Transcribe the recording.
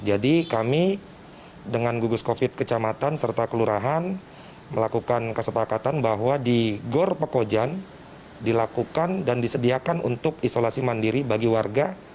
jadi kami dengan gugus covid sembilan belas kecamatan serta kelurahan melakukan kesepakatan bahwa di gor pekojan dilakukan dan disediakan untuk isolasi mandiri bagi warga